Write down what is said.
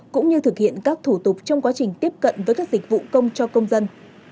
cũng như thực hiện các thủ tục trong quá trình tiếp cận với các dịch vụ công cho công dân